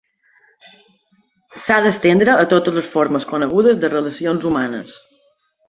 S'ha d'estendre a totes les formes conegudes de relacions humanes.